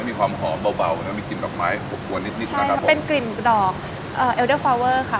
มีความหอมเบาเบาแล้วมีกลิ่นดอกไม้หกกวนนิดนิดใช่ค่ะเป็นกลิ่นดอกเอลเดอร์ฟาวเวอร์ค่ะ